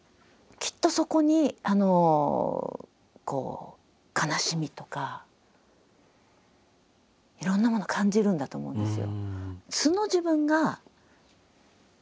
きっとそこにあの悲しみとかいろんなものを感じるんだと思うんですよ。